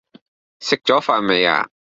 食左飯未呀